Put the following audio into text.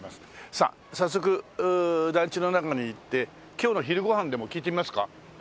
さあ早速団地の中に行って今日の昼ご飯でも聞いてみますか？